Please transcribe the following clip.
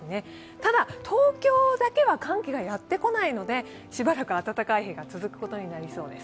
ただ、東京だけは寒気がやってこないのでしばらく暖かい日が続くことになりそうです。